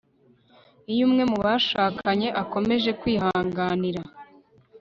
iyo umwe mu bashakanye akomeje kwihanganira